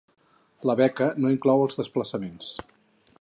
La beca no inclou els desplaçaments.